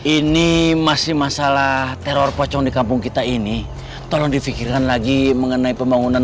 ini masih masalah teror pocong di kampung kita ini tolong difikirkan lagi mengenai pembangunan